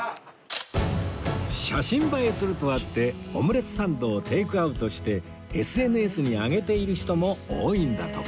写真映えするとあってオムレツサンドをテイクアウトして ＳＮＳ に上げている人も多いんだとか